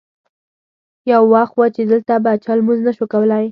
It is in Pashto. یو وخت و چې دلته به چا لمونځ نه شو کولی.